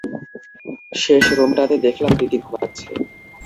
শেষ রুমটাতে দেখলাম দিদি ঘুমাচ্ছে।